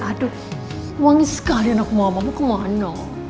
aduh wangi sekali anak mama mau kemana